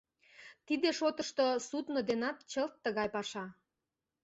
Тиде шотышто судно денат чылт тыгай паша.